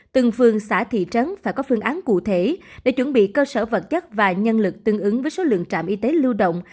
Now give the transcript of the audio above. từng phường xã thị trấn phải có phương án cụ thể để chuẩn bị cơ sở vật chất và nhân lực tương ứng với số lượng trạm y tế lưu động